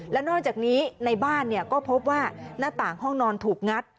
และนอกจากนี้ในบ้านก็พบว่าหน้าต่างห้องนอนถูกงัด